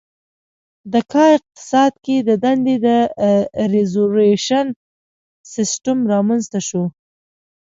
د کا اقتصاد کې د دندې د ریزروېشن سیستم رامنځته شو.